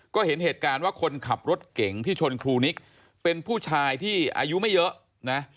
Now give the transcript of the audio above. ก็เห็นเหตุการณ์ว่าคนขับรถเก่งที่ชนครูนิกเป็นผู้ชายที่อายุไม่เยอะนะ